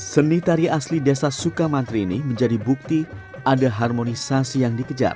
seni tari asli desa sukamantri ini menjadi bukti ada harmonisasi yang dikejar